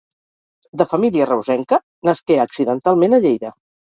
De família reusenca, nasqué accidentalment a Lleida.